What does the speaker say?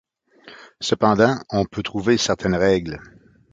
Cependant, on peut trouver certaines règles.